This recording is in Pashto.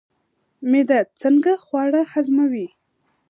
معده څنګه خواړه هضموي؟